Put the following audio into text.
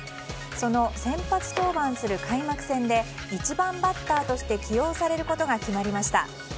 その先発登板する開幕戦で１番バッターとして起用されることが決まりました。